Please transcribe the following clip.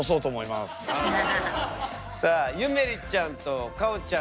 さあゆめりちゃんとかおちゃん。